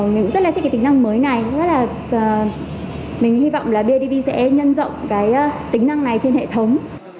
mình rất là thích tính năng mới này mình hy vọng bidb sẽ nhân rộng tính năng này trên hệ thống